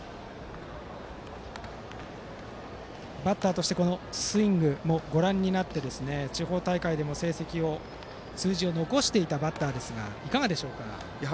バッターとしてこのスイングをご覧になって地方大会での成績も数字を残していたバッターですがいかがでしょうか。